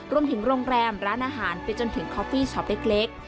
โรงแรมร้านอาหารไปจนถึงคอฟฟี่ช็อปเล็ก